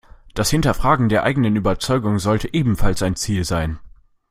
Das Hinterfragen der eigenen Überzeugungen sollte ebenfalls ein Ziel sein.